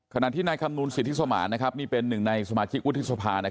ขณะที่นายคำนูลสิทธิสมรรณนะครับนี่เป็นหนึ่งในสมาชิกอุทธศภานะครับ